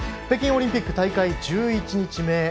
北京オリンピック大会１１日目。